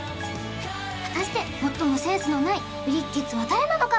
果たして最もセンスのないビリッケツは誰なのか？